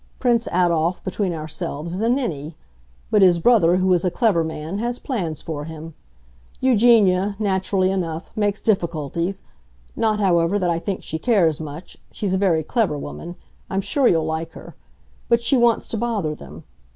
Prince Adolf, between ourselves, is a ninny; but his brother, who is a clever man, has plans for him. Eugenia, naturally enough, makes difficulties; not, however, that I think she cares much—she's a very clever woman; I'm sure you'll like her—but she wants to bother them.